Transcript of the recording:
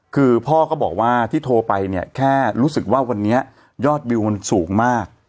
คือพ่อก็บอกว่าที่โทรไปเนี่ยแค่รู้สึกว่าวันนี้ยอดวิวมันสูงมาก